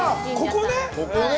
◆ここね！